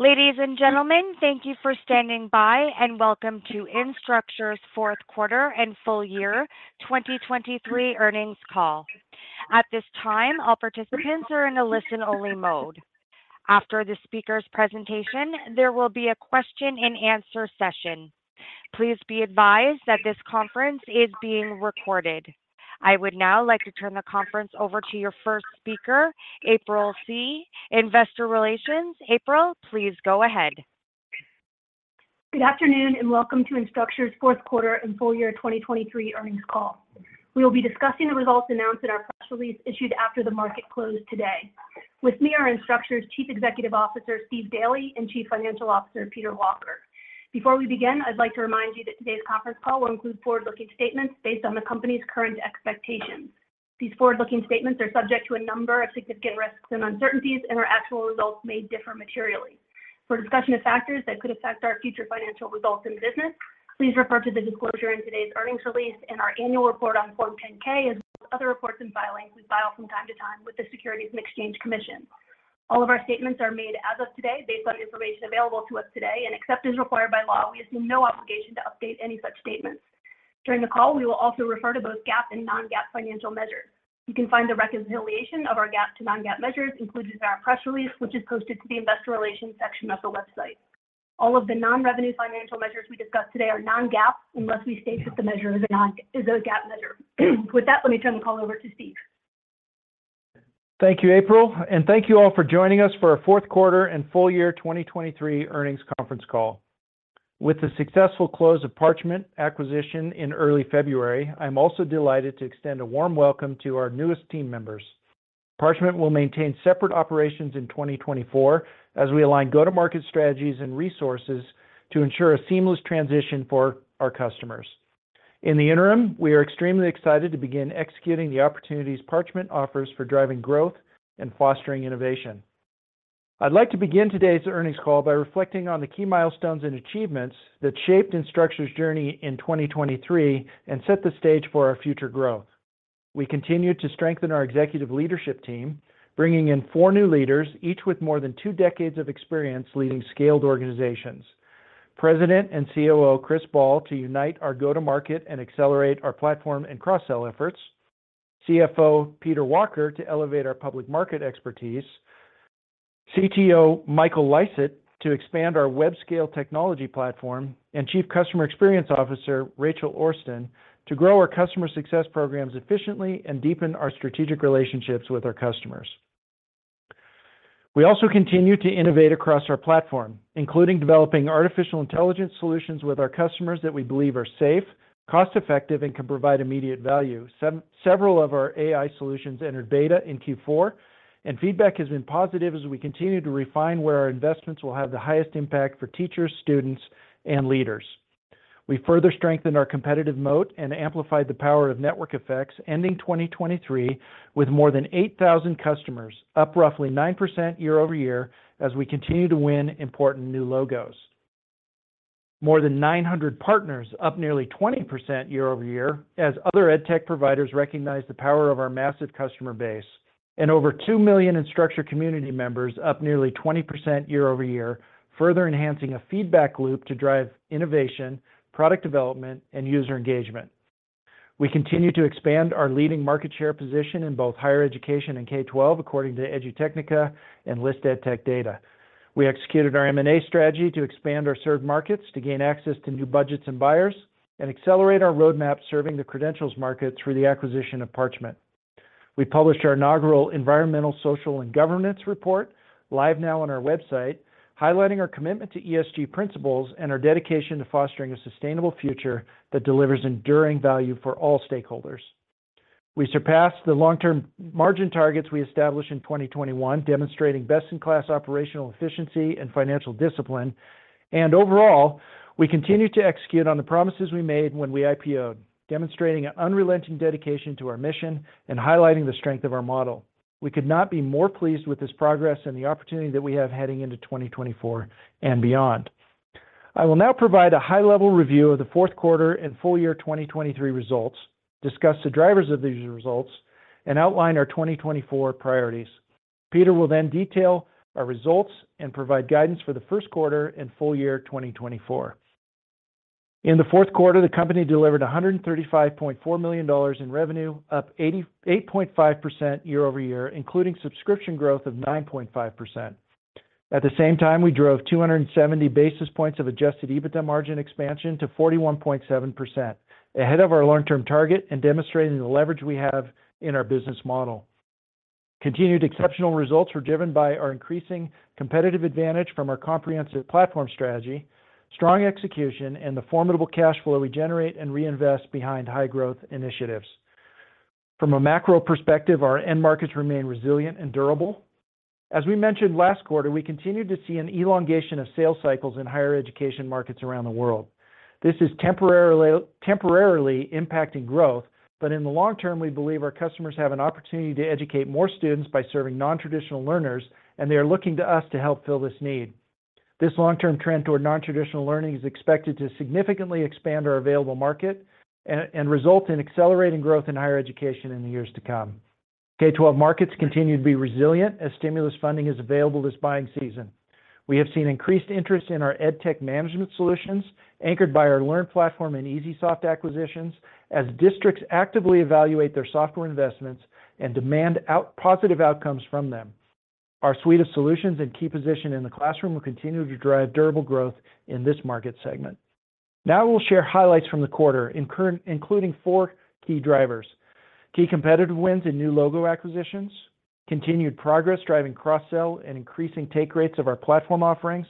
Ladies and gentlemen, thank you for standing by, and welcome to Instructure's Fourth Quarter and Full Year 2023 Earnings Call. At this time, all participants are in a listen-only mode. After the speaker's presentation, there will be a Q&A session. Please be advised that this conference is being recorded. I would now like to turn the conference over to your first speaker, April Scee. Investor Relations, April, please go ahead. Good afternoon and welcome to Instructure's Fourth Quarter and Full Year 2023 Earnings Call. We will be discussing the results announced in our press release issued after the market closed today. With me are Instructure's Chief Executive Officer Steve Daly and Chief Financial Officer Peter Walker. Before we begin, I'd like to remind you that today's conference call will include forward-looking statements based on the company's current expectations. These forward-looking statements are subject to a number of significant risks and uncertainties, and our actual results may differ materially. For discussion of factors that could affect our future financial results and business, please refer to the disclosure in today's earnings release and our annual report on Form 10-K, as well as other reports and filings we file from time to time with the Securities and Exchange Commission. All of our statements are made as of today based on information available to us today, and except as required by law, we assume no obligation to update any such statements. During the call, we will also refer to both GAAP and non-GAAP financial measures. You can find the reconciliation of our GAAP to non-GAAP measures included in our press release, which is posted to the Investor Relations section of the website. All of the non-revenue financial measures we discussed today are non-GAAP unless we state that the measure is a GAAP measure. With that, let me turn the call over to Steve. Thank you, April, and thank you all for joining us for our fourth quarter and full year 2023 earnings conference call. With the successful close of Parchment acquisition in early February, I'm also delighted to extend a warm welcome to our newest team members. Parchment will maintain separate operations in 2024 as we align go-to-market strategies and resources to ensure a seamless transition for our customers. In the interim, we are extremely excited to begin executing the opportunities Parchment offers for driving growth and fostering innovation. I'd like to begin today's earnings call by reflecting on the key milestones and achievements that shaped Instructure's journey in 2023 and set the stage for our future growth. We continue to strengthen our executive leadership team, bringing in four new leaders, each with more than two decades of experience leading scaled organizations. President and COO Chris Ball to unite our go-to-market and accelerate our platform and cross-sell efforts. CFO Peter Walker to elevate our public market expertise. CTO Michael Lysaght to expand our web-scale technology platform. Chief Customer Experience Officer Rachel Orston to grow our customer success programs efficiently and deepen our strategic relationships with our customers. We also continue to innovate across our platform, including developing artificial intelligence solutions with our customers that we believe are safe, cost-effective, and can provide immediate value. Several of our AI solutions entered beta in Q4, and feedback has been positive as we continue to refine where our investments will have the highest impact for teachers, students, and leaders. We further strengthened our competitive moat and amplified the power of network effects, ending 2023 with more than 8,000 customers up roughly 9% year-over-year as we continue to win important new logos. More than 900 partners up nearly 20% year-over-year as other EdTech providers recognize the power of our massive customer base. Over 2 million Instructure community members up nearly 20% year-over-year, further enhancing a feedback loop to drive innovation, product development, and user engagement. We continue to expand our leading market share position in both higher education and K-12, according to EduTechnica and ListEdTech data. We executed our M&A strategy to expand our served markets to gain access to new budgets and buyers, and accelerate our roadmap serving the credentials market through the acquisition of Parchment. We published our inaugural Environmental, Social, and Governance report live now on our website, highlighting our commitment to ESG principles and our dedication to fostering a sustainable future that delivers enduring value for all stakeholders. We surpassed the long-term margin targets we established in 2021, demonstrating best-in-class operational efficiency and financial discipline. Overall, we continue to execute on the promises we made when we IPOed, demonstrating an unrelenting dedication to our mission and highlighting the strength of our model. We could not be more pleased with this progress and the opportunity that we have heading into 2024 and beyond. I will now provide a high-level review of the fourth quarter and full year 2023 results, discuss the drivers of these results, and outline our 2024 priorities. Peter will then detail our results and provide guidance for the first quarter and full year 2024. In the fourth quarter, the company delivered $135.4 million in revenue, up 8.5% year-over-year, including subscription growth of 9.5%. At the same time, we drove 270 basis points of adjusted EBITDA margin expansion to 41.7%, ahead of our long-term target and demonstrating the leverage we have in our business model. Continued exceptional results were driven by our increasing competitive advantage from our comprehensive platform strategy, strong execution, and the formidable cash flow we generate and reinvest behind high-growth initiatives. From a macro perspective, our end markets remain resilient and durable. As we mentioned last quarter, we continued to see an elongation of sales cycles in higher education markets around the world. This is temporarily impacting growth, but in the long term, we believe our customers have an opportunity to educate more students by serving non-traditional learners, and they are looking to us to help fill this need. This long-term trend toward non-traditional learning is expected to significantly expand our available market and result in accelerating growth in higher education in the years to come. K-12 markets continue to be resilient as stimulus funding is available this buying season. We have seen increased interest in our EdTech management solutions, anchored by our LearnPlatform and EesySoft acquisitions, as districts actively evaluate their software investments and demand positive outcomes from them. Our suite of solutions and key position in the classroom will continue to drive durable growth in this market segment. Now we'll share highlights from the quarter, including four key drivers: key competitive wins in new logo acquisitions, continued progress driving cross-sell and increasing take rates of our platform offerings,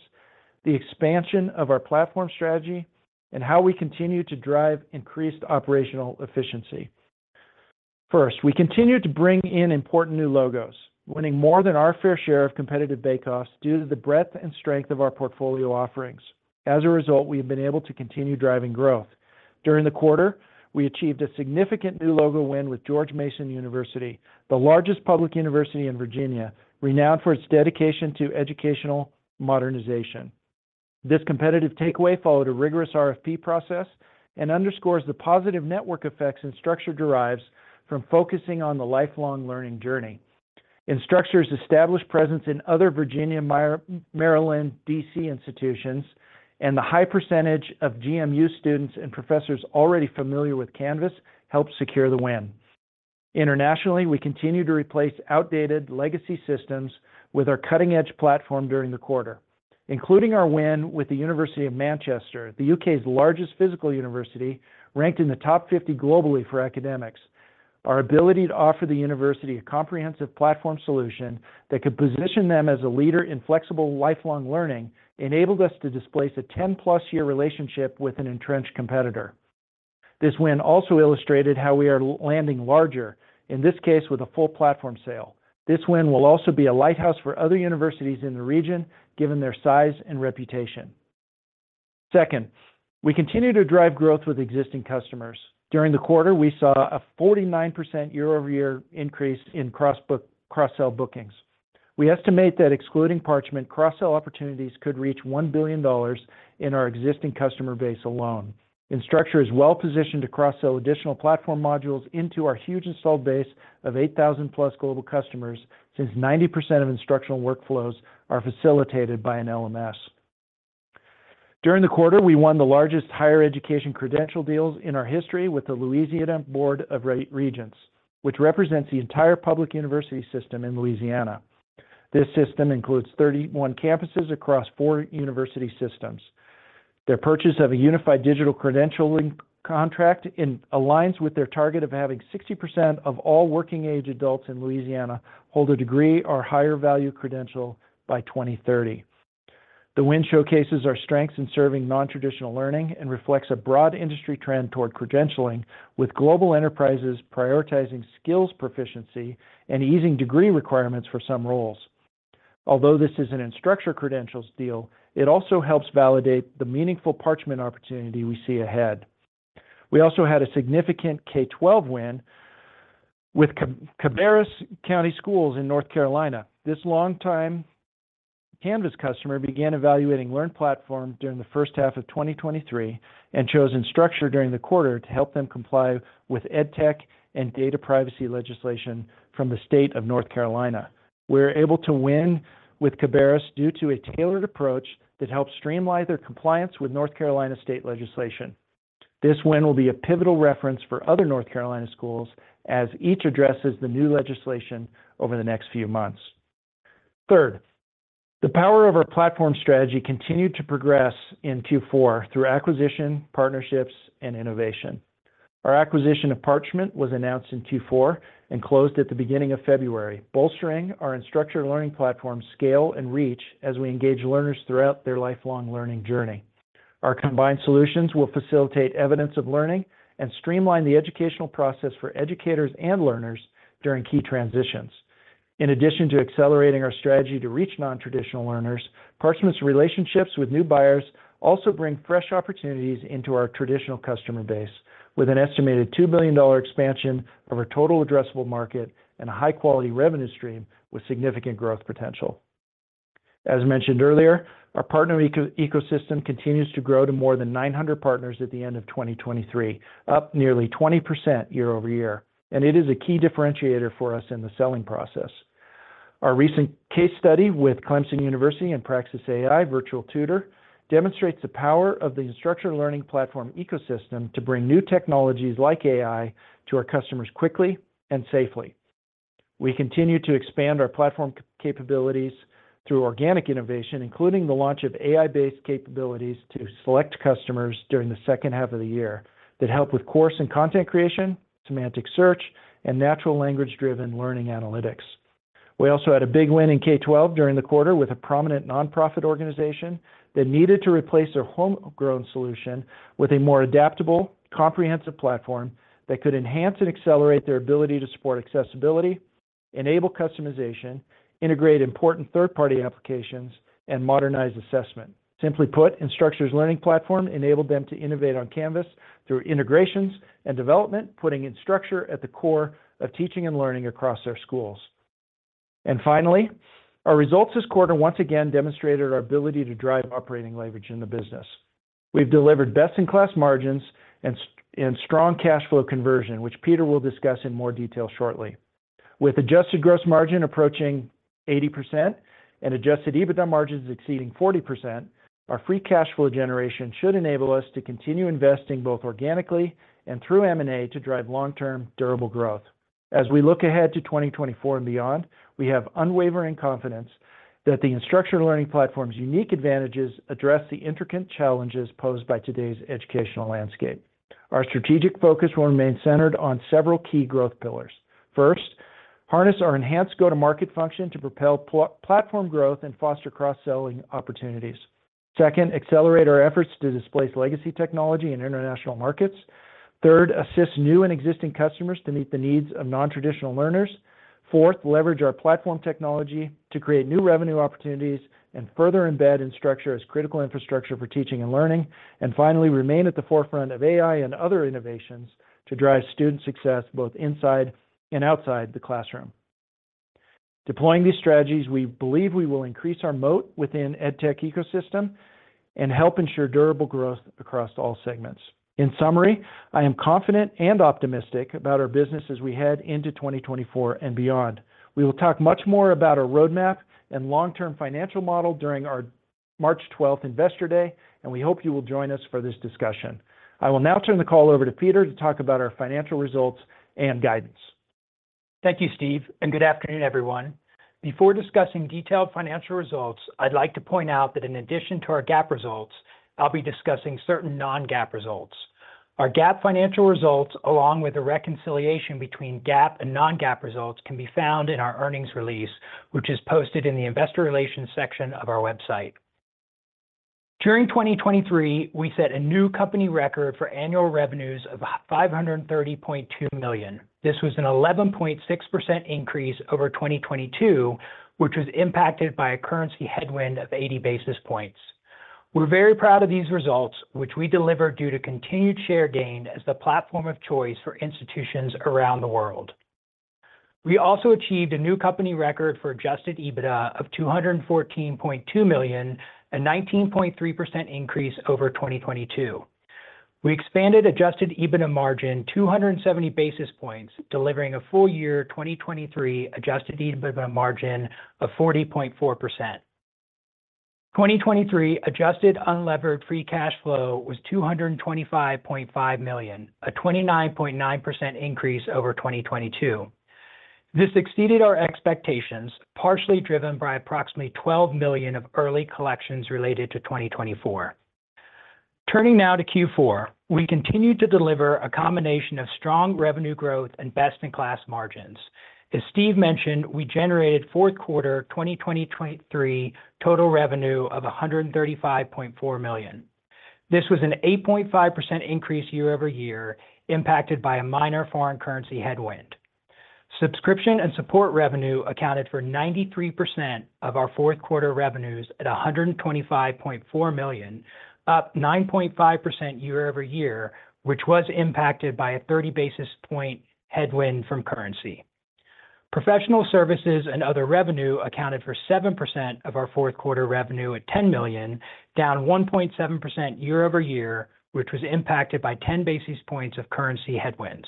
the expansion of our platform strategy, and how we continue to drive increased operational efficiency. First, we continue to bring in important new logos, winning more than our fair share of competitive bake-offs due to the breadth and strength of our portfolio offerings. As a result, we have been able to continue driving growth. During the quarter, we achieved a significant new logo win with George Mason University, the largest public university in Virginia, renowned for its dedication to educational modernization. This competitive takeaway followed a rigorous RFP process and underscores the positive network effects Instructure derives from focusing on the lifelong learning journey. Instructure's established presence in other Virginia, Maryland, D.C. institutions, and the high percentage of GMU students and professors already familiar with Canvas helped secure the win. Internationally, we continue to replace outdated legacy systems with our cutting-edge platform during the quarter, including our win with the University of Manchester, the UK's largest physical university ranked in the top 50 globally for academics. Our ability to offer the university a comprehensive platform solution that could position them as a leader in flexible lifelong learning enabled us to displace a 10+-year relationship with an entrenched competitor. This win also illustrated how we are landing larger, in this case with a full platform sale. This win will also be a lighthouse for other universities in the region given their size and reputation. Second, we continue to drive growth with existing customers. During the quarter, we saw a 49% year-over-year increase in cross-sell bookings. We estimate that excluding Parchment, cross-sell opportunities could reach $1 billion in our existing customer base alone. Instructure is well-positioned to cross-sell additional platform modules into our huge installed base of 8,000+ global customers since 90% of instructional workflows are facilitated by an LMS. During the quarter, we won the largest higher education credential deals in our history with the Louisiana Board of Regents, which represents the entire public university system in Louisiana. This system includes 31 campuses across four university systems. Their purchase of a unified digital credentialing contract aligns with their target of having 60% of all working-age adults in Louisiana hold a degree or higher value credential by 2030. The win showcases our strengths in serving non-traditional learners and reflects a broad industry trend toward credentialing, with global enterprises prioritizing skills proficiency and easing degree requirements for some roles. Although this is an Instructure Credentials deal, it also helps validate the meaningful Parchment opportunity we see ahead. We also had a significant K-12 win with Cabarrus County Schools in North Carolina. This long-time Canvas customer began evaluating LearnPlatform during the first half of 2023 and chose Instructure during the quarter to help them comply with EdTech and data privacy legislation from the state of North Carolina. We're able to win with Cabarrus due to a tailored approach that helps streamline their compliance with North Carolina state legislation. This win will be a pivotal reference for other North Carolina schools as each addresses the new legislation over the next few months. Third, the power of our platform strategy continued to progress in Q4 through acquisition, partnerships, and innovation. Our acquisition of Parchment was announced in Q4 and closed at the beginning of February, bolstering our Instructure Learning Platform's scale and reach as we engage learners throughout their lifelong learning journey. Our combined solutions will facilitate evidence of learning and streamline the educational process for educators and learners during key transitions. In addition to accelerating our strategy to reach non-traditional learners, Parchment's relationships with new buyers also bring fresh opportunities into our traditional customer base, with an estimated $2 billion expansion of our total addressable market and a high-quality revenue stream with significant growth potential. As mentioned earlier, our partner ecosystem continues to grow to more than 900 partners at the end of 2023, up nearly 20% year-over-year, and it is a key differentiator for us in the selling process. Our recent case study with Clemson University and Praxis AI Virtual Tutor demonstrates the power of the Instructure learning platform ecosystem to bring new technologies like AI to our customers quickly and safely. We continue to expand our platform capabilities through organic innovation, including the launch of AI-based capabilities to select customers during the second half of the year that help with course and content creation, semantic search, and natural language-driven learning analytics. We also had a big win in K-12 during the quarter with a prominent nonprofit organization that needed to replace their homegrown solution with a more adaptable, comprehensive platform that could enhance and accelerate their ability to support accessibility, enable customization, integrate important third-party applications, and modernize assessment. Simply put, Instructure's learning platform enabled them to innovate on Canvas through integrations and development, putting Instructure at the core of teaching and learning across their schools. Finally, our results this quarter once again demonstrated our ability to drive operating leverage in the business. We've delivered best-in-class margins and strong cash flow conversion, which Peter will discuss in more detail shortly. With adjusted gross margin approaching 80% and adjusted EBITDA margins exceeding 40%, our free cash flow generation should enable us to continue investing both organically and through M&A to drive long-term, durable growth. As we look ahead to 2024 and beyond, we have unwavering confidence that the Instructure learning platform's unique advantages address the intricate challenges posed by today's educational landscape. Our strategic focus will remain centered on several key growth pillars. First, harness our enhanced go-to-market function to propel platform growth and foster cross-selling opportunities. Second, accelerate our efforts to displace legacy technology in international markets. Third, assist new and existing customers to meet the needs of non-traditional learners. Fourth, leverage our platform technology to create new revenue opportunities and further embed Instructure as critical infrastructure for teaching and learning. And finally, remain at the forefront of AI and other innovations to drive student success both inside and outside the classroom. Deploying these strategies, we believe we will increase our moat within the EdTech ecosystem and help ensure durable growth across all segments. In summary, I am confident and optimistic about our business as we head into 2024 and beyond. We will talk much more about our roadmap and long-term financial model during our March 12th Investor Day, and we hope you will join us for this discussion. I will now turn the call over to Peter to talk about our financial results and guidance. Thank you, Steve, and good afternoon, everyone. Before discussing detailed financial results, I'd like to point out that in addition to our GAAP results, I'll be discussing certain non-GAAP results. Our GAAP financial results, along with a reconciliation between GAAP and non-GAAP results, can be found in our earnings release, which is posted in the investor relations section of our website. During 2023, we set a new company record for annual revenues of $530.2 million. This was an 11.6% increase over 2022, which was impacted by a currency headwind of 80 basis points. We're very proud of these results, which we delivered due to continued share gain as the platform of choice for institutions around the world. We also achieved a new company record for adjusted EBITDA of $214.2 million, a 19.3% increase over 2022. We expanded adjusted EBITDA margin 270 basis points, delivering a full-year 2023 adjusted EBITDA margin of 40.4%. 2023 adjusted unlevered free cash flow was $225.5 million, a 29.9% increase over 2022. This exceeded our expectations, partially driven by approximately $12 million of early collections related to 2024. Turning now to Q4, we continue to deliver a combination of strong revenue growth and best-in-class margins. As Steve mentioned, we generated fourth quarter 2023 total revenue of $135.4 million. This was an 8.5% increase year-over-year, impacted by a minor foreign currency headwind. Subscription and support revenue accounted for 93% of our fourth quarter revenues at $125.4 million, up 9.5% year-over-year, which was impacted by a 30 basis point headwind from currency. Professional services and other revenue accounted for 7% of our fourth quarter revenue at $10 million, down 1.7% year-over-year, which was impacted by 10 basis points of currency headwinds.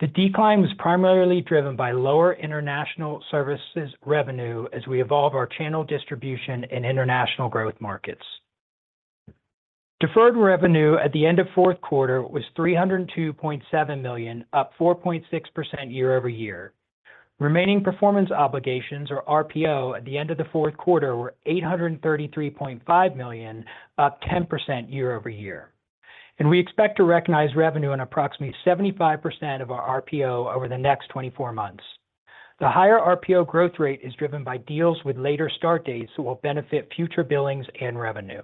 The decline was primarily driven by lower international services revenue as we evolve our channel distribution in international growth markets. Deferred revenue at the end of fourth quarter was $302.7 million, up 4.6% year-over-year. Remaining performance obligations, or RPO, at the end of the fourth quarter were $833.5 million, up 10% year-over-year. We expect to recognize revenue on approximately 75% of our RPO over the next 24 months. The higher RPO growth rate is driven by deals with later start dates that will benefit future billings and revenue.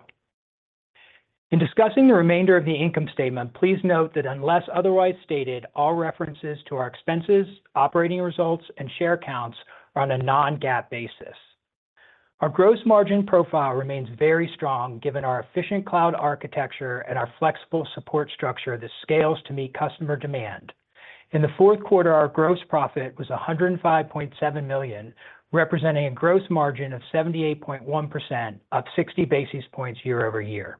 In discussing the remainder of the income statement, please note that unless otherwise stated, all references to our expenses, operating results, and share counts are on a non-GAAP basis. Our gross margin profile remains very strong given our efficient cloud architecture and our flexible support structure that scales to meet customer demand. In the fourth quarter, our gross profit was $105.7 million, representing a gross margin of 78.1%, up 60 basis points year-over-year.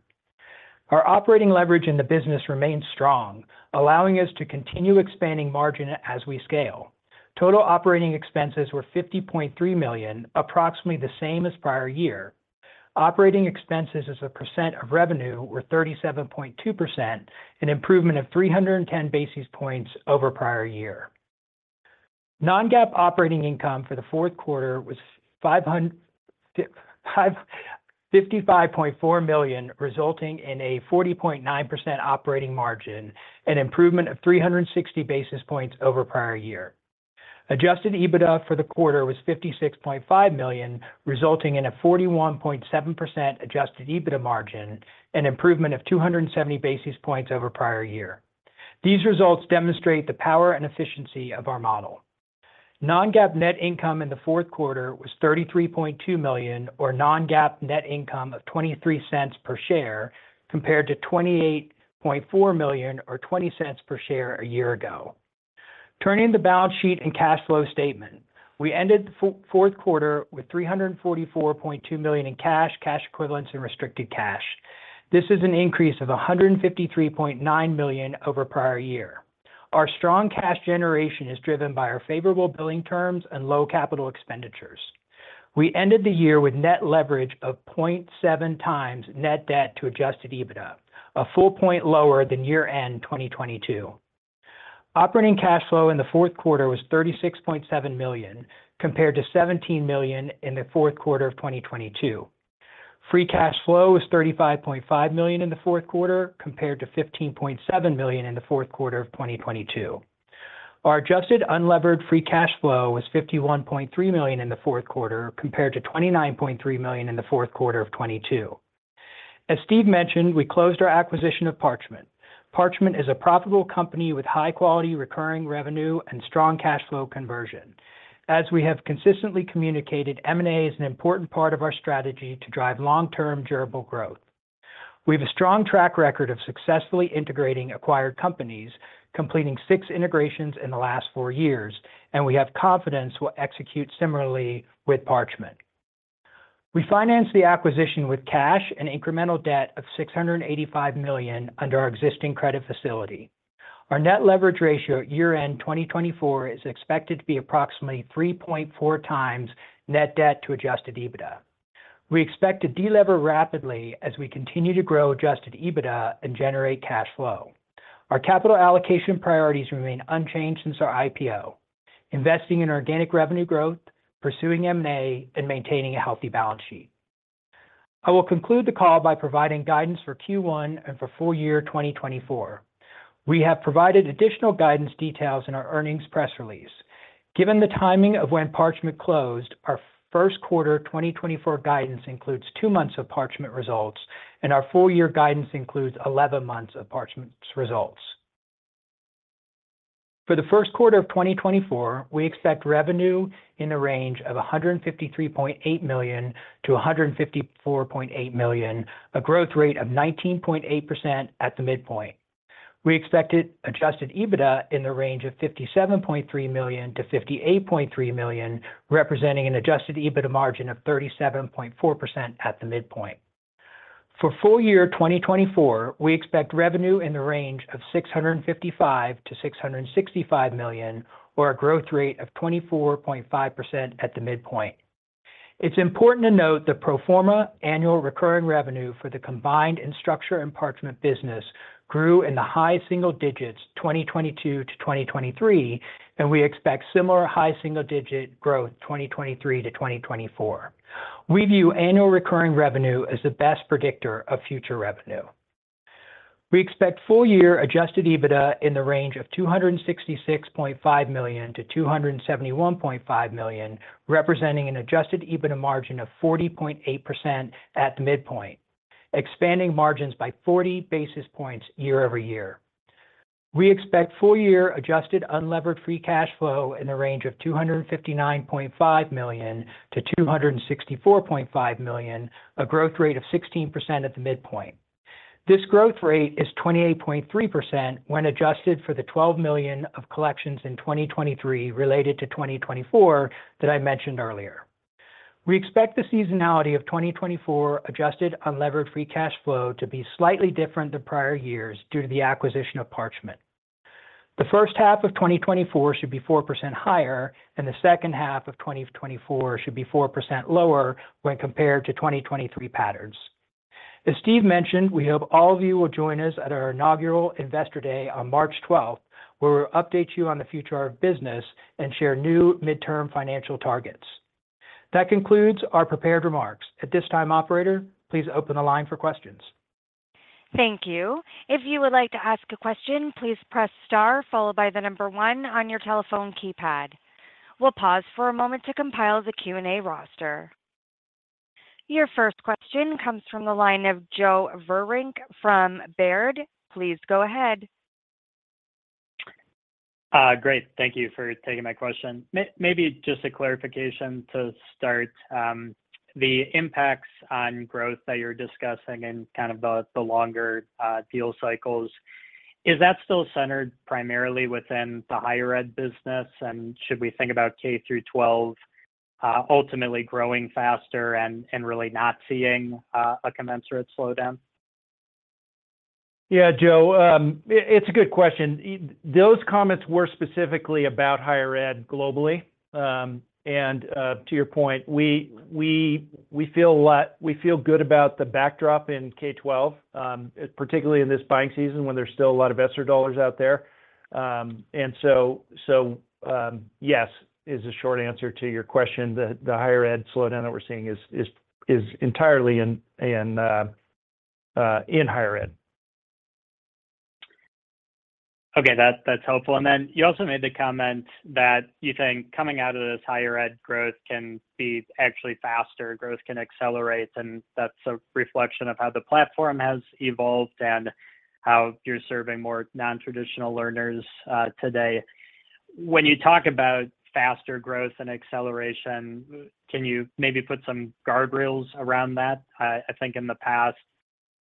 Our operating leverage in the business remains strong, allowing us to continue expanding margin as we scale. Total operating expenses were $50.3 million, approximately the same as prior year. Operating expenses as a percent of revenue were 37.2%, an improvement of 310 basis points over prior year. Non-GAAP operating income for the fourth quarter was $55.4 million, resulting in a 40.9% operating margin, an improvement of 360 basis points over prior year. Adjusted EBITDA for the quarter was $56.5 million, resulting in a 41.7% Adjusted EBITDA margin, an improvement of 270 basis points over prior year. These results demonstrate the power and efficiency of our model. Non-GAAP net income in the fourth quarter was $33.2 million, or non-GAAP net income of $0.23 per share, compared to $28.4 million, or $0.20 per share a year ago. Turning to the balance sheet and cash flow statement, we ended the fourth quarter with $344.2 million in cash, cash equivalents, and restricted cash. This is an increase of $153.9 million over prior year. Our strong cash generation is driven by our favorable billing terms and low capital expenditures. We ended the year with net leverage of 0.7 times net debt to Adjusted EBITDA, a full point lower than year-end 2022. Operating cash flow in the fourth quarter was $36.7 million, compared to $17 million in the fourth quarter of 2022. Free cash flow was $35.5 million in the fourth quarter, compared to $15.7 million in the fourth quarter of 2022. Our adjusted unlevered free cash flow was $51.3 million in the fourth quarter, compared to $29.3 million in the fourth quarter of 2022. As Steve mentioned, we closed our acquisition of Parchment. Parchment is a profitable company with high-quality recurring revenue and strong cash flow conversion. As we have consistently communicated, M&A is an important part of our strategy to drive long-term, durable growth. We have a strong track record of successfully integrating acquired companies, completing six integrations in the last four years, and we have confidence we'll execute similarly with Parchment. We financed the acquisition with cash and incremental debt of $685 million under our existing credit facility. Our net leverage ratio at year-end 2024 is expected to be approximately 3.4 times net debt to Adjusted EBITDA. We expect to delever rapidly as we continue to grow Adjusted EBITDA and generate cash flow. Our capital allocation priorities remain unchanged since our IPO, investing in organic revenue growth, pursuing M&A, and maintaining a healthy balance sheet. I will conclude the call by providing guidance for Q1 and for full-year 2024. We have provided additional guidance details in our earnings press release. Given the timing of when Parchment closed, our first quarter 2024 guidance includes two months of Parchment results, and our full-year guidance includes 11 months of Parchment's results. For the first quarter of 2024, we expect revenue in the range of $153.8 million-$154.8 million, a growth rate of 19.8% at the midpoint. We expected Adjusted EBITDA in the range of $57.3 million-$58.3 million, representing an Adjusted EBITDA margin of 37.4% at the midpoint. For full-year 2024, we expect revenue in the range of $655 million-$665 million, or a growth rate of 24.5% at the midpoint. It's important to note the pro forma annual recurring revenue for the combined Instructure and Parchment business grew in the high single digits 2022 to 2023, and we expect similar high single-digit growth 2023 to 2024. We view annual recurring revenue as the best predictor of future revenue. We expect full-year adjusted EBITDA in the range of $266.5 million-$271.5 million, representing an adjusted EBITDA margin of 40.8% at the midpoint, expanding margins by 40 basis points year over year. We expect full-year adjusted unlevered free cash flow in the range of $259.5 million-$264.5 million, a growth rate of 16% at the midpoint. This growth rate is 28.3% when adjusted for the $12 million of collections in 2023 related to 2024 that I mentioned earlier. We expect the seasonality of 2024 adjusted unlevered free cash flow to be slightly different than prior years due to the acquisition of Parchment. The first half of 2024 should be 4% higher, and the second half of 2024 should be 4% lower when compared to 2023 patterns. As Steve mentioned, we hope all of you will join us at our inaugural Investor Day on March 12th, where we'll update you on the future of business and share new midterm financial targets. That concludes our prepared remarks. At this time, operator, please open the line for questions. Thank you. If you would like to ask a question, please press star followed by the number one on your telephone keypad. We'll pause for a moment to compile the Q&A roster. Your first question comes from the line of Joe Vruwink from Baird. Please go ahead. Great. Thank you for taking my question. Maybe just a clarification to start. The impacts on growth that you're discussing and kind of the longer deal cycles, is that still centered primarily within the higher ed business, and should we think about K through 12 ultimately growing faster and really not seeing a commensurate slowdown? Yeah, Joe, it's a good question. Those comments were specifically about higher ed globally. And to your point, we feel good about the backdrop in K-12, particularly in this buying season when there's still a lot of ESSER dollars out there. So yes, is a short answer to your question. The higher ed slowdown that we're seeing is entirely in higher ed. Okay, that's helpful. Then you also made the comment that you think coming out of this higher ed growth can be actually faster, growth can accelerate, and that's a reflection of how the platform has evolved and how you're serving more non-traditional learners today. When you talk about faster growth and acceleration, can you maybe put some guardrails around that? I think in the past,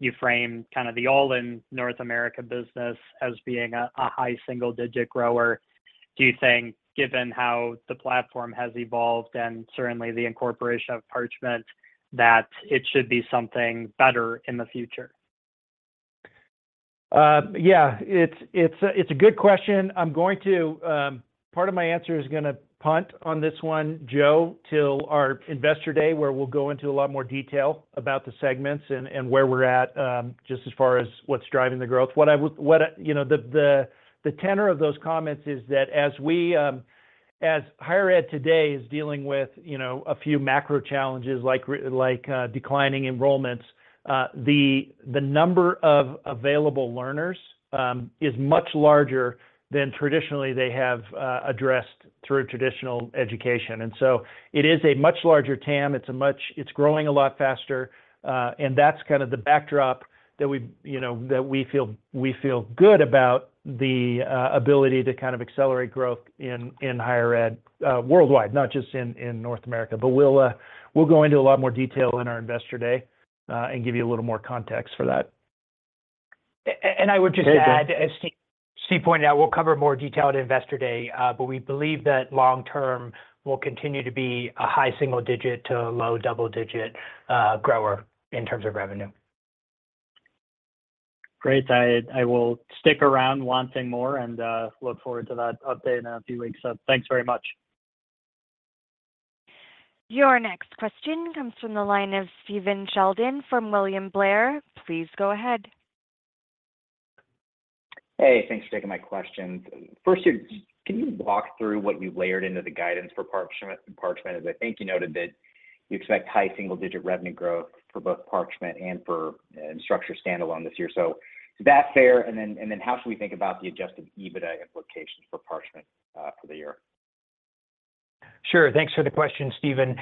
you framed kind of the all-in North America business as being a high single-digit grower. Do you think, given how the platform has evolved and certainly the incorporation of Parchment, that it should be something better in the future? Yeah, it's a good question. Part of my answer is going to punt on this one, Joe, till our Investor Day, where we'll go into a lot more detail about the segments and where we're at just as far as what's driving the growth. What I would the tenor of those comments is that as higher ed today is dealing with a few macro challenges like declining enrollments, the number of available learners is much larger than traditionally they have addressed through traditional education. So it is a much larger TAM. It's growing a lot faster. That's kind of the backdrop that we feel good about the ability to kind of accelerate growth in higher ed worldwide, not just in North America. We'll go into a lot more detail in our Investor Day and give you a little more context for that. I would just add, as Steve pointed out, we'll cover more detail at Investor Day, but we believe that long-term, we'll continue to be a high single-digit to low double-digit grower in terms of revenue. Great. I will stick around wanting more and look forward to that update in a few weeks. Thanks very much. Your next question comes from the line of Stephen Sheldon from William Blair. Please go ahead. Hey, thanks for taking my question. First, can you walk through what you've layered into the guidance for Parchment? As I think you noted that you expect high single-digit revenue growth for both Parchment and for Instructure standalone this year. So is that fair? And then how should we think about the Adjusted EBITDA implications for Parchment for the year? Sure. Thanks for the question, Stephen.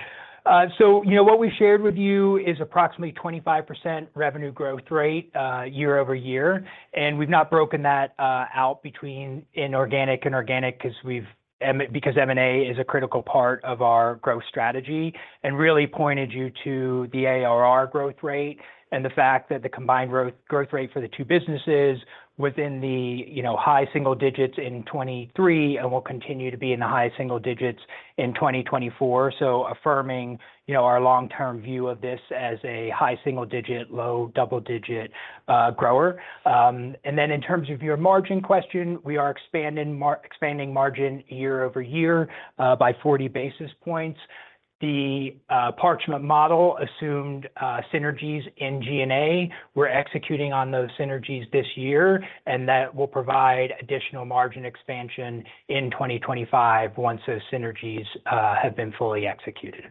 So what we've shared with you is approximately 25% revenue growth rate year-over-year. And we've not broken that out between inorganic and organic because M&A is a critical part of our growth strategy and really pointed you to the ARR growth rate and the fact that the combined growth rate for the two businesses was in the high single digits in 2023 and will continue to be in the high single digits in 2024. So affirming our long-term view of this as a high single-digit, low double-digit grower. Then in terms of your margin question, we are expanding margin year-over-year by 40 basis points. The Parchment model assumed synergies in G&A. We're executing on those synergies this year, and that will provide additional margin expansion in 2025 once those synergies have been fully executed.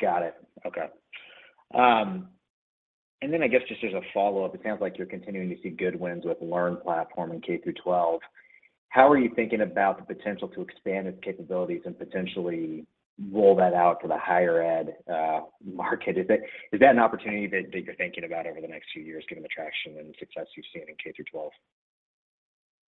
Got it. Okay. Then I guess just as a follow-up, it sounds like you're continuing to see good wins with LearnPlatform in K through 12. How are you thinking about the potential to expand its capabilities and potentially roll that out to the higher ed market? Is that an opportunity that you're thinking about over the next few years, given the traction and success you've seen in K through 12?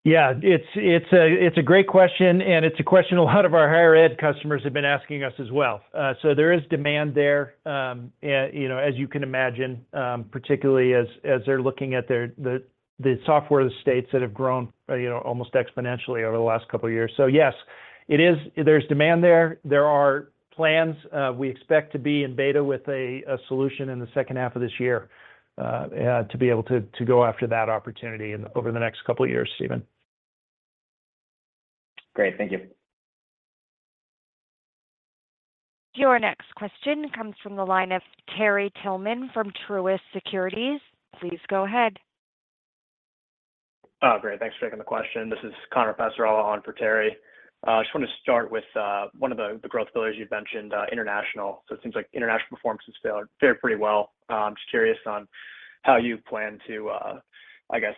Yeah, it's a great question, and it's a question a lot of our higher ed customers have been asking us as well. So there is demand there, as you can imagine, particularly as they're looking at the software states that have grown almost exponentially over the last couple of years. So yes, there's demand there. There are plans. We expect to be in beta with a solution in the second half of this year to be able to go after that opportunity over the next couple of years, Stephen. Great. Thank you. Your next question comes from the line of Terry Tillman from Truist Securities. Please go ahead. Great. Thanks for taking the question. This is Connor Passarella on for Terry. I just wanted to start with one of the growth pillars you've mentioned, international. So it seems like international performance has fared pretty well. Just curious on how you plan to, I guess,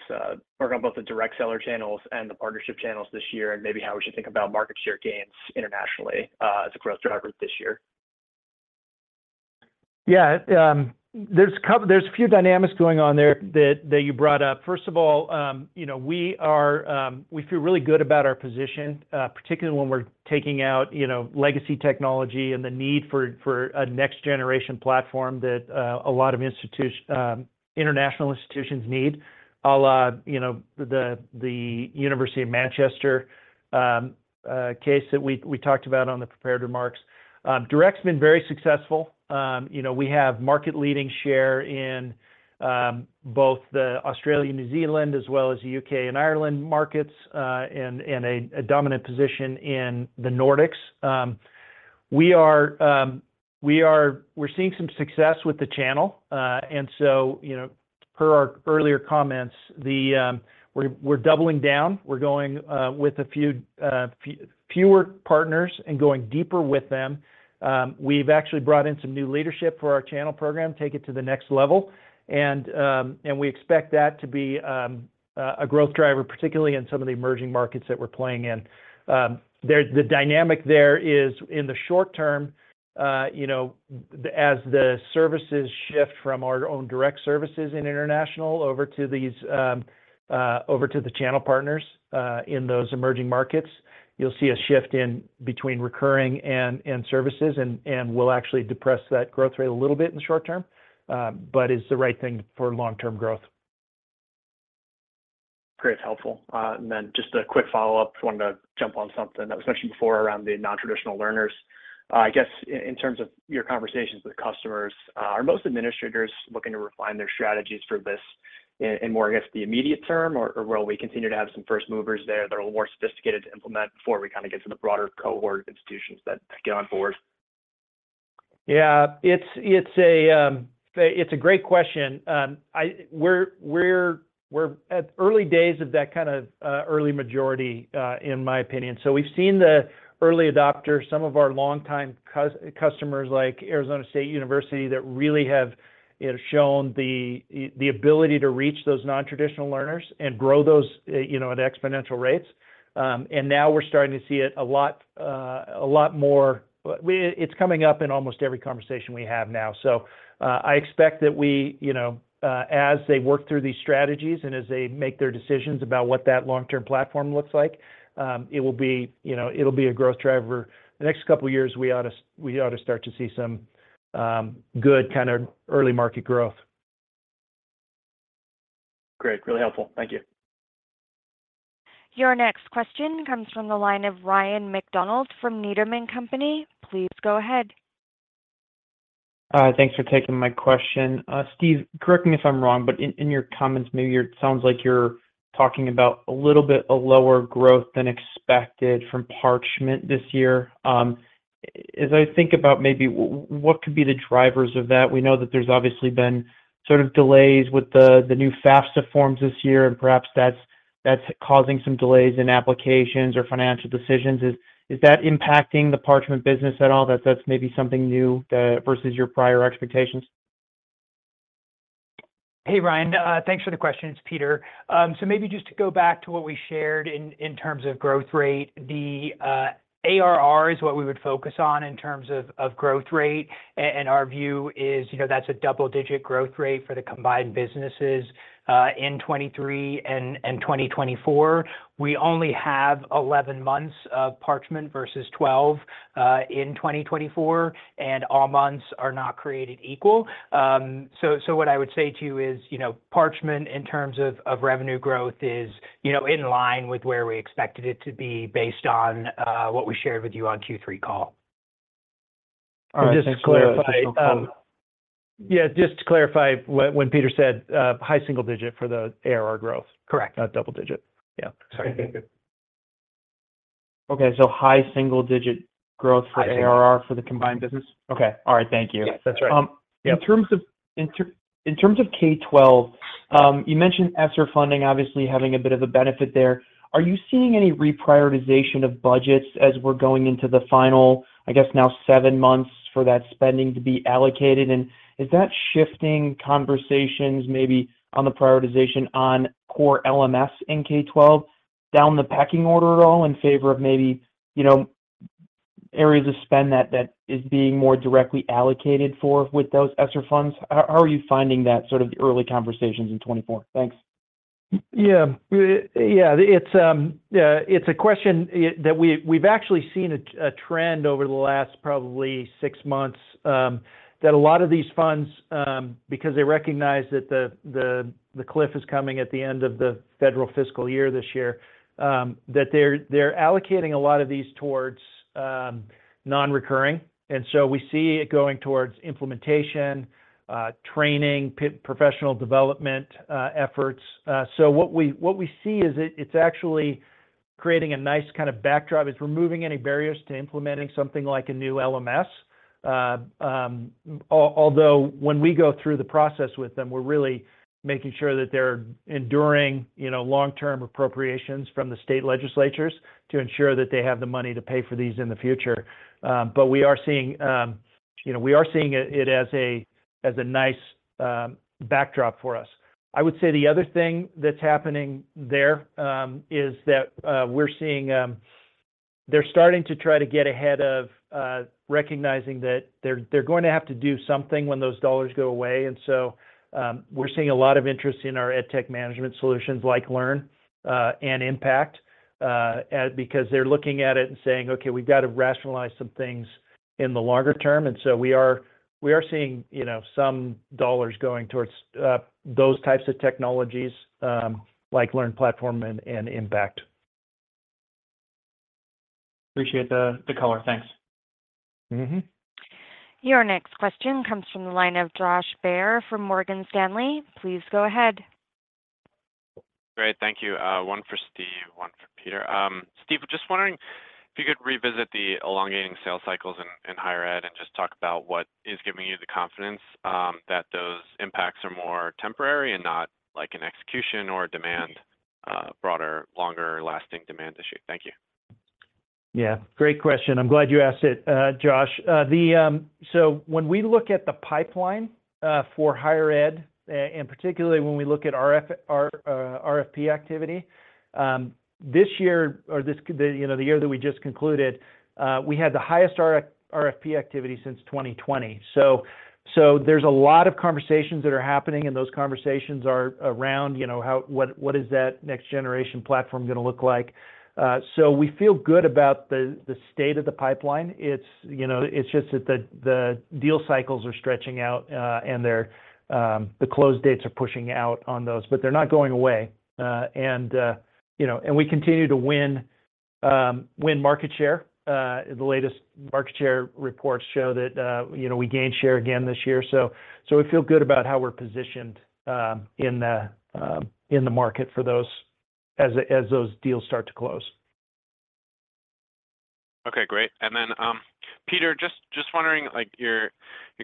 work on both the direct seller channels and the partnership channels this year and maybe how we should think about market share gains internationally as a growth driver this year? Yeah, there's a few dynamics going on there that you brought up. First of all, we feel really good about our position, particularly when we're taking out legacy technology and the need for a next-generation platform that a lot of international institutions need. The University of Manchester case that we talked about on the prepared remarks. Direct's been very successful. We have market-leading share in both Australia and New Zealand, as well as the UK and Ireland markets, and a dominant position in the Nordics. We're seeing some success with the channel. And so per our earlier comments, we're doubling down. We're going with a few fewer partners and going deeper with them. We've actually brought in some new leadership for our channel program, take it to the next level. And we expect that to be a growth driver, particularly in some of the emerging markets that we're playing in. The dynamic there is, in the short term, as the services shift from our own direct services in international over to the channel partners in those emerging markets, you'll see a shift between recurring and services, and we'll actually depress that growth rate a little bit in the short term, but is the right thing for long-term growth. Great. Helpful. And then just a quick follow-up, wanted to jump on something that was mentioned before around the non-traditional learners. I guess in terms of your conversations with customers, are most administrators looking to refine their strategies for this in more, I guess, the immediate term, or will we continue to have some first movers there that are a little more sophisticated to implement before we kind of get to the broader cohort of institutions that get on board? Yeah, it's a great question. We're at early days of that kind of early majority, in my opinion. So we've seen the early adopters, some of our long-time customers like Arizona State University that really have shown the ability to reach those non-traditional learners and grow those at exponential rates. And now we're starting to see it a lot more. It's coming up in almost every conversation we have now. So I expect that, as they work through these strategies and as they make their decisions about what that long-term platform looks like, it will be a growth driver. The next couple of years, we ought to start to see some good kind of early market growth. Great. Really helpful. Thank you. Your next question comes from the line of Ryan McDonald from Needham & Company. Please go ahead. Thanks for taking my question. Steve, correct me if I'm wrong, but in your comments, maybe it sounds like you're talking about a little bit of lower growth than expected from Parchment this year. As I think about maybe what could be the drivers of that, we know that there's obviously been sort of delays with the new FAFSA forms this year, and perhaps that's causing some delays in applications or financial decisions. Is that impacting the Parchment business at all? That's maybe something new versus your prior expectations? Hey, Ryan. Thanks for the question. It's Peter. So maybe just to go back to what we shared in terms of growth rate, the ARR is what we would focus on in terms of growth rate. Our view is that's a double-digit growth rate for the combined businesses in 2023 and 2024. We only have 11 months of Parchment versus 12 in 2024, and all months are not created equal. So what I would say to you is Parchment, in terms of revenue growth, is in line with where we expected it to be based on what we shared with you on Q3 call. Just to clarify when Peter said high single digit for the ARR growth. Correct. Not double digit. Okay. So high single digit growth for ARR for the combined business? Okay. All right. Thank you. Yes, that's right. In terms of K-12, you mentioned ESSER funding, obviously having a bit of a benefit there. Are you seeing any reprioritization of budgets as we're going into the final, I guess, now seven months for that spending to be allocated? And is that shifting conversations maybe on the prioritization on core LMS in K-12 down the pecking order at all in favor of maybe areas of spend that is being more directly allocated for with those ESSER funds? How are you finding that sort of the early conversations in 2024? Thanks. Yeah. Yeah. It's a question that we've actually seen a trend over the last probably six months that a lot of these funds, because they recognize that the cliff is coming at the end of the federal fiscal year this year, that they're allocating a lot of these towards non-recurring. So we see it going towards implementation, training, professional development efforts. So what we see is it's actually creating a nice kind of backdrop. It's removing any barriers to implementing something like a new LMS. Although when we go through the process with them, we're really making sure that they're ensuring long-term appropriations from the state legislatures to ensure that they have the money to pay for these in the future. But we are seeing it as a nice backdrop for us. I would say the other thing that's happening there is that we're seeing they're starting to try to get ahead of recognizing that they're going to have to do something when those dollars go away. And so we're seeing a lot of interest in our EdTech management solutions like LearnPlatform and Impact because they're looking at it and saying, "Okay, we've got to rationalize some things in the longer term." And so we are seeing some dollars going towards those types of technologies like LearnPlatform and Impact. Appreciate the color. Thanks. Your next question comes from the line of Josh Baer from Morgan Stanley. Please go ahead. Great. Thank you. One for Steve, one for Peter. Steve, just wondering if you could revisit the elongating sales cycles in higher ed and just talk about what is giving you the confidence that those impacts are more temporary and not an execution or a demand, broader, longer-lasting demand issue. Thank you. Yeah. Great question. I'm glad you asked it, Josh. So when we look at the pipeline for higher ed, and particularly when we look at RFP activity, this year or the year that we just concluded, we had the highest RFP activity since 2020. So there's a lot of conversations that are happening, and those conversations are around what is that next-generation platform going to look like? So we feel good about the state of the pipeline. It's just that the deal cycles are stretching out, and the close dates are pushing out on those. But they're not going away. And we continue to win market share. The latest market share reports show that we gained share again this year. So we feel good about how we're positioned in the market for those as those deals start to close. Okay. Great. Then, Peter, just wondering, you're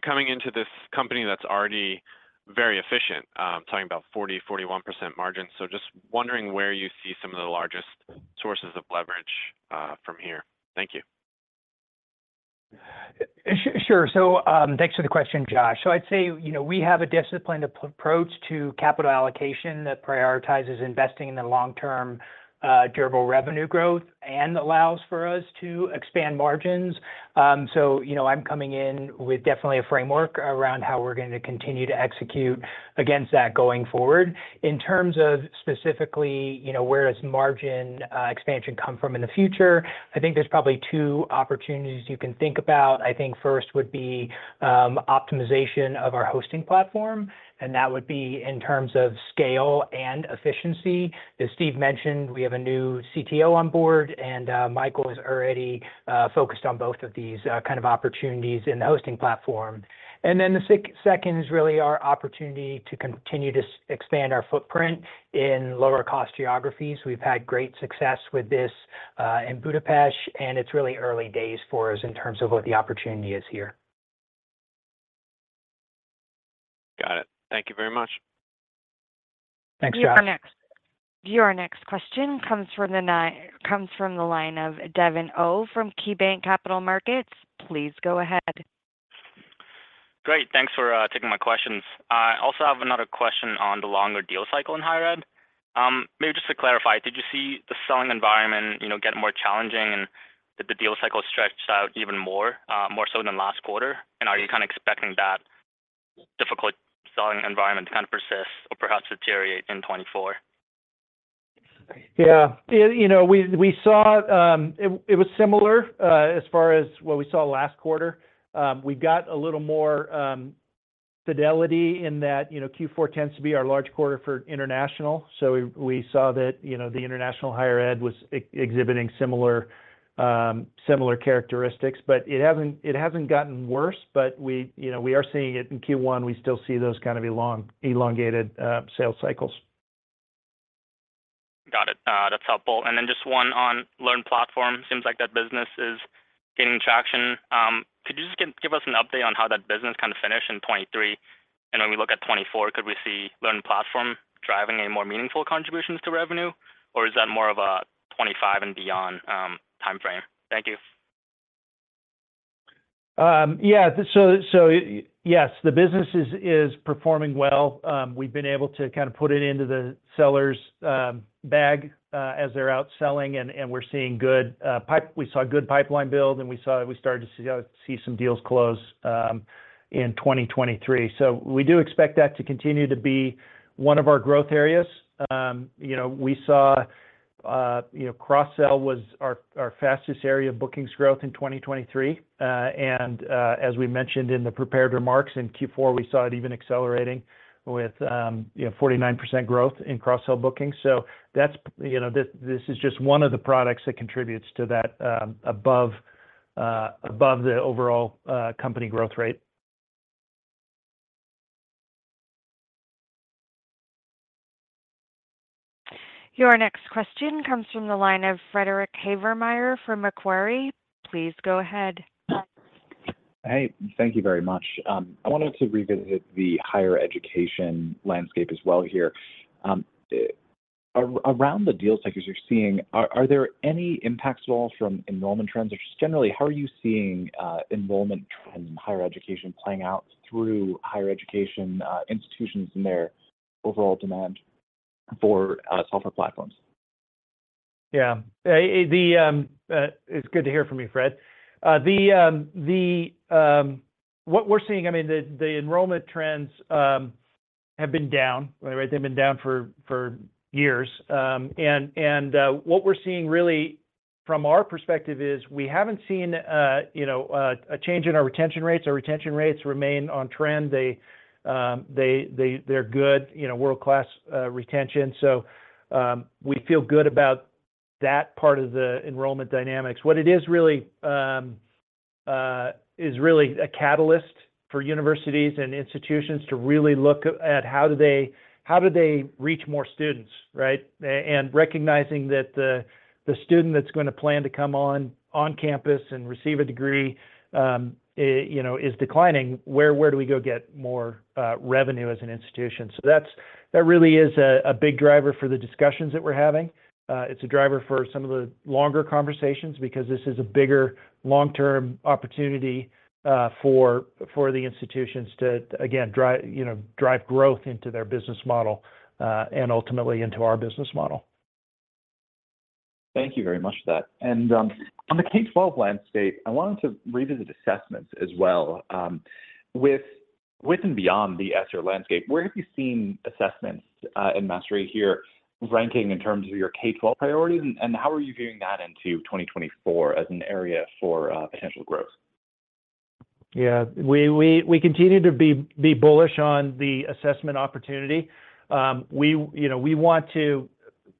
coming into this company that's already very efficient, talking about 40%-41% margins. So just wondering where you see some of the largest sources of leverage from here? Thank you. Sure. So thanks for the question, Josh. So I'd say we have a disciplined approach to capital allocation that prioritizes investing in the long-term durable revenue growth and allows for us to expand margins. So I'm coming in with definitely a framework around how we're going to continue to execute against that going forward. In terms of specifically where does margin expansion come from in the future, I think there's probably two opportunities you can think about. I think first would be optimization of our hosting platform, and that would be in terms of scale and efficiency. As Steve mentioned, we have a new CTO on board, and Michael is already focused on both of these kind of opportunities in the hosting platform. And then the second is really our opportunity to continue to expand our footprint in lower-cost geographies. We've had great success with this in Budapest, and it's really early days for us in terms of what the opportunity is here. Got it. Thank you very much. Thanks, Josh. Your next question comes from the line of Devin Au from KeyBanc Capital Markets. Please go ahead. Great. Thanks for taking my questions. I also have another question on the longer deal cycle in higher ed. Maybe just to clarify, did you see the selling environment get more challenging, and did the deal cycle stretch out even more, more so than last quarter? And are you kind of expecting that difficult selling environment to kind of persist or perhaps deteriorate in 2024? Yeah. We saw it was similar as far as what we saw last quarter. We've got a little more fidelity in that Q4 tends to be our large quarter for international. So we saw that the international higher ed was exhibiting similar characteristics. But it hasn't gotten worse, but we are seeing it in Q1. We still see those kind of elongated sales cycles. Got it. That's helpful. And then just one on LearnPlatform. Seems like that business is gaining traction. Could you just give us an update on how that business kind of finished in 2023? And when we look at 2024, could we see LearnPlatform driving a more meaningful contributions to revenue, or is that more of a 2025 and beyond timeframe? Thank you. Yeah. So yes, the business is performing well. We've been able to kind of put it into the seller's bag as they're outselling, and we're seeing good pipeline build, and we started to see some deals close in 2023. So we do expect that to continue to be one of our growth areas. We saw cross-sell was our fastest area of bookings growth in 2023. And as we mentioned in the prepared remarks in Q4, we saw it even accelerating with 49% growth in cross-sell bookings. So this is just one of the products that contributes to that above the overall company growth rate. Your next question comes from the line of Frederick Havemeyer from Macquarie. Please go ahead. Hey. Thank you very much. I wanted to revisit the higher education landscape as well here. Around the deal cycles you're seeing, are there any impacts at all from enrollment trends? Or just generally, how are you seeing enrollment trends in higher education playing out through higher education institutions and their overall demand for software platforms? Yeah. It's good to hear from you, Fred. What we're seeing, I mean, the enrollment trends have been down, right? They've been down for years. And what we're seeing really from our perspective is we haven't seen a change in our retention rates. Our retention rates remain on trend. They're good, world-class retention. So we feel good about that part of the enrollment dynamics. What it is really is really a catalyst for universities and institutions to really look at how do they reach more students, right? Recognizing that the student that's going to plan to come on campus and receive a degree is declining, where do we go get more revenue as an institution? So that really is a big driver for the discussions that we're having. It's a driver for some of the longer conversations because this is a bigger long-term opportunity for the institutions to, again, drive growth into their business model and ultimately into our business model. Thank you very much for that. On the K-12 landscape, I wanted to revisit assessments as well. With and beyond the ESSER landscape, where have you seen assessments in Mastery here ranking in terms of your K-12 priorities? And how are you viewing that into 2024 as an area for potential growth? Yeah. We continue to be bullish on the assessment opportunity. We want to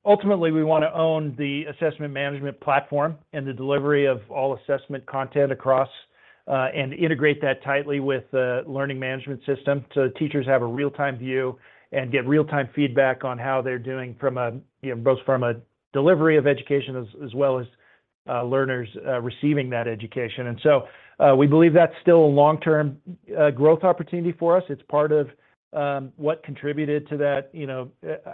ultimately, we want to own the assessment management platform and the delivery of all assessment content across and integrate that tightly with the learning management system so teachers have a real-time view and get real-time feedback on how they're doing both from a delivery of education as well as learners receiving that education. And so we believe that's still a long-term growth opportunity for us. It's part of what contributed to that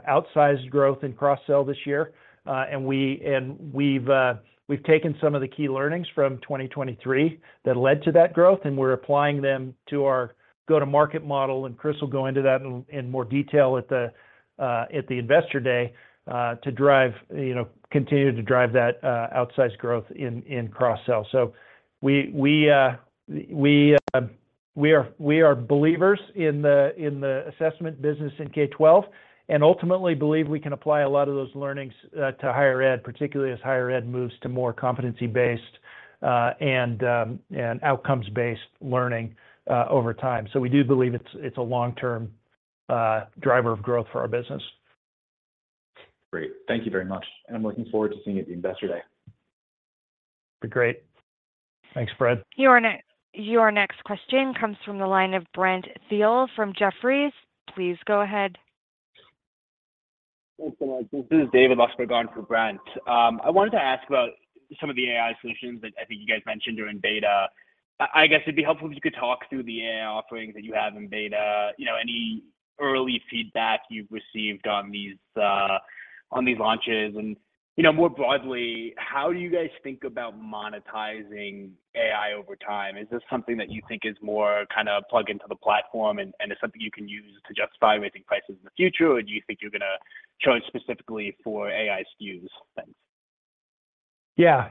outsized growth in cross-sell this year. And we've taken some of the key learnings from 2023 that led to that growth, and we're applying them to our go-to-market model. And Chris will go into that in more detail at the Investor Day to continue to drive that outsized growth in cross-sell. So we are believers in the assessment business in K-12 and ultimately believe we can apply a lot of those learnings to higher ed, particularly as higher ed moves to more competency-based and outcomes-based learning over time. So we do believe it's a long-term driver of growth for our business. Great. Thank you very much. And I'm looking forward to seeing it at the investor day. Be great. Thanks, Fred. Your next question comes from the line of Brent Thill from Jefferies. Please go ahead. Thanks so much. This is David Lustberg for Brent. I wanted to ask about some of the AI solutions that I think you guys mentioned are in beta. I guess it'd be helpful if you could talk through the AI offerings that you have in beta, any early feedback you've received on these launches. And more broadly, how do you guys think about monetizing AI over time? Is this something that you think is more kind of a plug into the platform, and is it something you can use to justify raising prices in the future? Or do you think you're going to choose specifically for AI SKUs? Thanks. Yeah.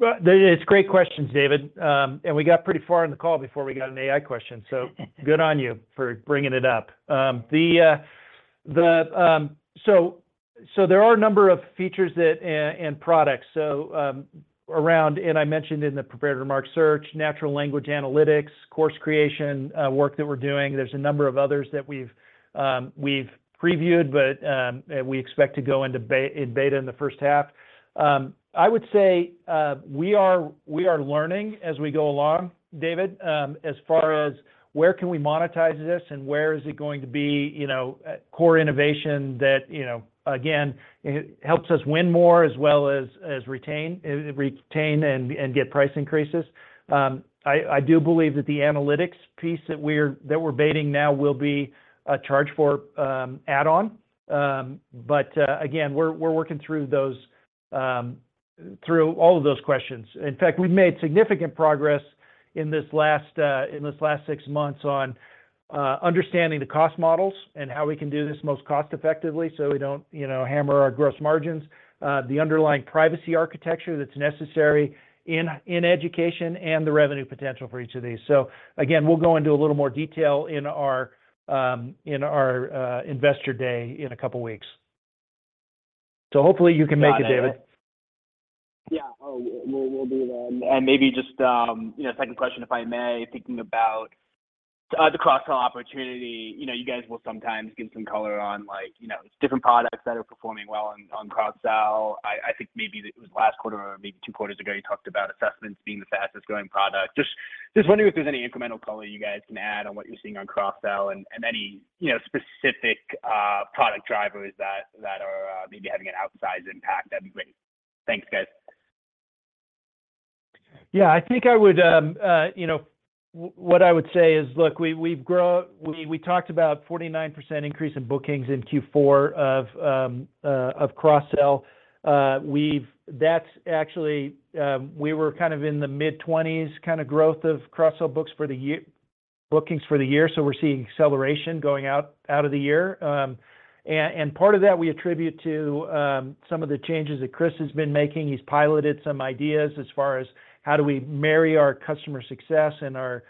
It's great questions, David. And we got pretty far in the call before we got an AI question. So good on you for bringing it up. So there are a number of features and products. And I mentioned in the prepared remarks search, natural language analytics, course creation work that we're doing. There's a number of others that we've previewed, but we expect to go into beta in the first half. I would say we are learning as we go along, David, as far as where can we monetize this and where is it going to be core innovation that, again, helps us win more as well as retain and get price increases. I do believe that the analytics piece that we're betaing now will be a charge-for add-on. But again, we're working through all of those questions. In fact, we've made significant progress in this last six months on understanding the cost models and how we can do this most cost-effectively so we don't hammer our gross margins, the underlying privacy architecture that's necessary in education, and the revenue potential for each of these. So again, we'll go into a little more detail in our Investor Day in a couple of weeks. So hopefully, you can make it, David. Yeah. Oh, we'll do that. Maybe just a second question, if I may, thinking about the cross-sell opportunity, you guys will sometimes give some color on different products that are performing well on cross-sell. I think maybe it was last quarter or maybe two quarters ago, you talked about assessments being the fastest-growing product. Just wondering if there's any incremental color you guys can add on what you're seeing on cross-sell and any specific product drivers that are maybe having an outsized impact. That'd be great. Thanks, guys. Yeah. I think what I would say is, look, we've grown, we talked about a 49% increase in bookings in Q4 of cross-sell. We were kind of in the mid-20s kind of growth of cross-sell bookings for the year. So we're seeing acceleration going out of the year. And part of that we attribute to some of the changes that Chris has been making. He's piloted some ideas as far as how do we marry our customer success and our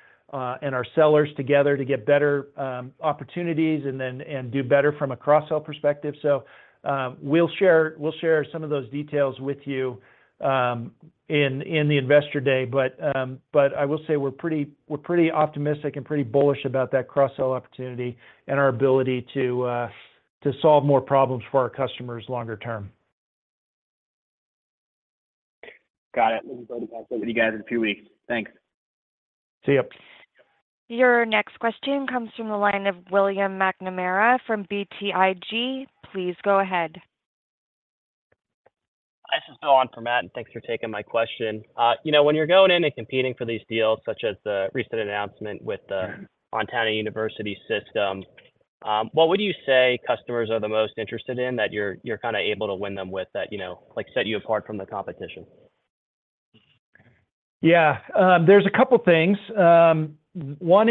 sellers together to get better opportunities and do better from a cross-sell perspective. So we'll share some of those details with you in the investor day. But I will say we're pretty optimistic and pretty bullish about that cross-sell opportunity and our ability to solve more problems for our customers longer term. Got it. We'll be going to talk to some of you guys in a few weeks. Thanks. See you. Your next question comes from the line of William McNamara from BTIG. Please go ahead. Hi. This is Bill on from Matt. And thanks for taking my question. When you're going in and competing for these deals, such as the recent announcement with the Montana University System, what would you say customers are the most interested in that you're kind of able to win them with that set you apart from the competition? Yeah. There's a couple of things. One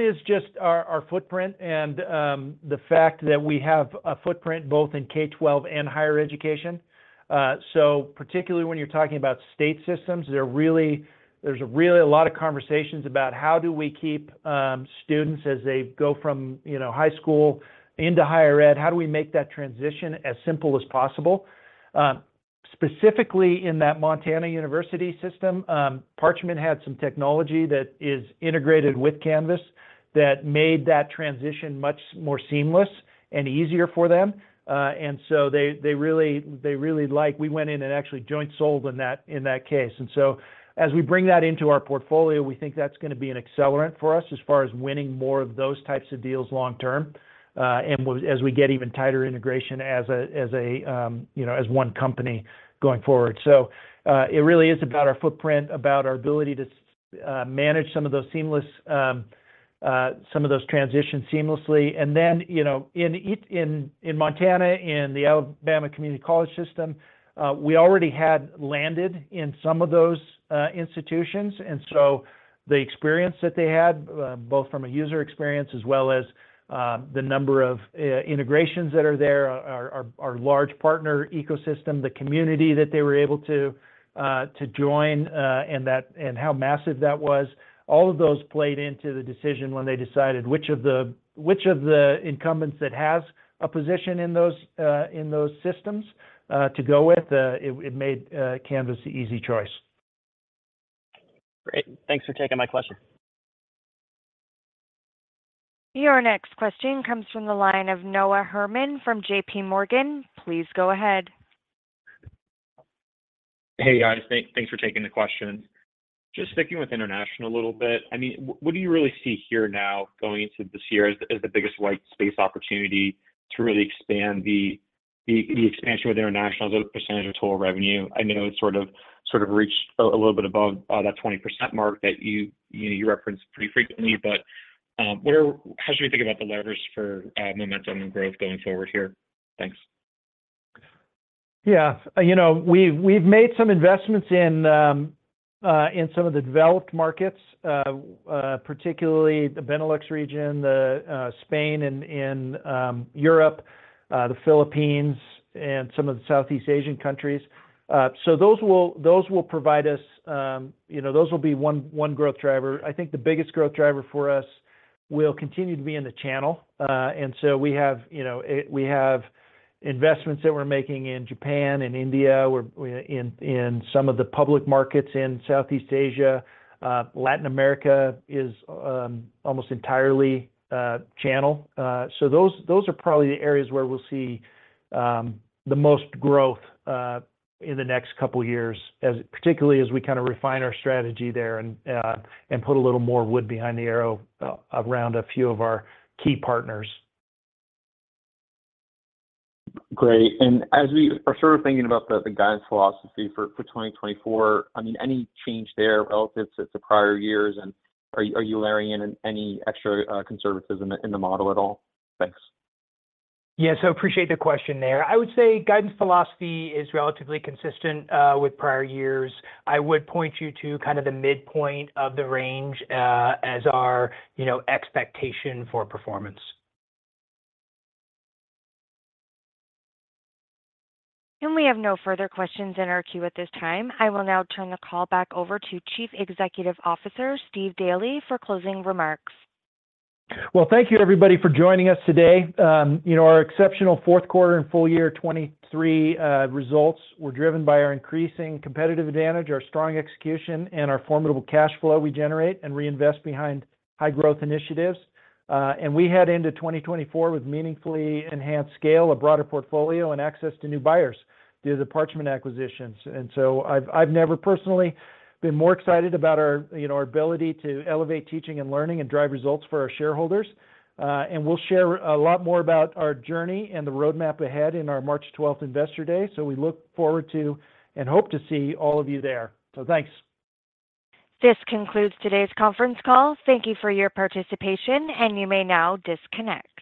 is just our footprint and the fact that we have a footprint both in K-12 and higher education. So particularly when you're talking about state systems, there's a lot of conversations about how do we keep students as they go from high school into higher ed? How do we make that transition as simple as possible? Specifically in that Montana University System, Parchment had some technology that is integrated with Canvas that made that transition much more seamless and easier for them. And so they really liked we went in and actually joint-sold in that case. And so as we bring that into our portfolio, we think that's going to be an accelerant for us as far as winning more of those types of deals long-term and as we get even tighter integration as one company going forward. So it really is about our footprint, about our ability to manage some of those transitions seamlessly. And then in Montana, in the Alabama Community College System, we already had landed in some of those institutions. And so the experience that they had, both from a user experience as well as the number of integrations that are there, our large partner ecosystem, the community that they were able to join, and how massive that was, all of those played into the decision when they decided which of the incumbents that has a position in those systems to go with, it made Canvas the easy choice. Great. Thanks for taking my question. Your next question comes from the line of Noah Herman from JPMorgan. Please go ahead. Hey, guys. Thanks for taking the question. Just sticking with international a little bit. I mean, what do you really see here now going into this year as the biggest white space opportunity to really expand the expansion with international as a percentage of total revenue? I know it sort of reached a little bit above that 20% mark that you reference pretty frequently. But how should we think about the levers for momentum and growth going forward here? Thanks. Yeah. We've made some investments in some of the developed markets, particularly the Benelux region, Spain in Europe, the Philippines, and some of the Southeast Asian countries. So those will be one growth driver. I think the biggest growth driver for us will continue to be in the channel. And so we have investments that we're making in Japan and India, in some of the public markets in Southeast Asia. Latin America is almost entirely channel. So those are probably the areas where we'll see the most growth in the next couple of years, particularly as we kind of refine our strategy there and put a little more wood behind the arrow around a few of our key partners. Great. And as we are sort of thinking about the guidance philosophy for 2024, I mean, any change there relative to prior years? And are you layering in any extra conservatism in the model at all? Thanks. Yeah. So I appreciate the question there. I would say guidance philosophy is relatively consistent with prior years. I would point you to kind of the midpoint of the range as our expectation for performance. We have no further questions in our queue at this time. I will now turn the call back over to Chief Executive Officer Steve Daly for closing remarks. Well, thank you, everybody, for joining us today. Our exceptional fourth quarter and full year 2023 results were driven by our increasing competitive advantage, our strong execution, and our formidable cash flow we generate and reinvest behind high-growth initiatives. We head into 2024 with meaningfully enhanced scale, a broader portfolio, and access to new buyers due to the Parchment acquisitions. I've never personally been more excited about our ability to elevate teaching and learning and drive results for our shareholders. We'll share a lot more about our journey and the roadmap ahead in our March 12th Investor Day. We look forward to and hope to see all of you there. Thanks. This concludes today's conference call. Thank you for your participation, and you may now disconnect.